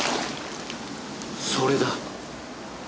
それだ！